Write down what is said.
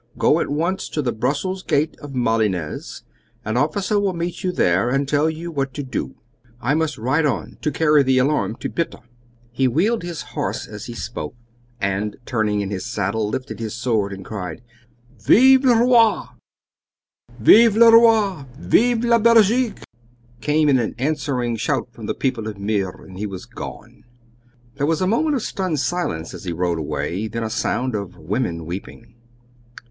Go at once to the Brussels gate of Malines. An officer will meet you there and tell you what to do. I must ride on to carry the alarm to Putte." He wheeled his horse as he spoke, and, turning in his saddle, lifted his sword and cried, "Vive le Roi!" "Vive le Roi! Vive la Belgique!" came in an answering shout from the people of Meer, and he was gone. There was a moment of stunned silence as he rode away; then a sound of women weeping.